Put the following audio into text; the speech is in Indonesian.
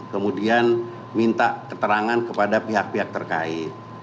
kemudian minta keterangan kepada pihak pihak terkait